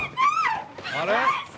あれ。